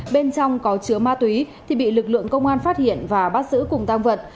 bên trong có chứa ma túy thì bị lực lượng công an phát hiện và bắt giữ cùng tăng vật